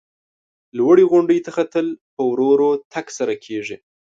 لوړې غونډۍ ته ختل په ورو ورو تگ سره کیږي.